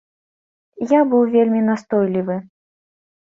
Я быў вельмі настойлівы.